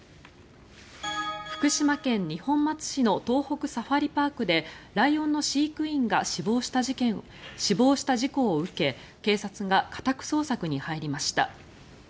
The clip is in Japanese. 福島県二本松市の東北サファリパークでライオンの飼育員が死亡した事故を受け警察が家宅捜索に入りました。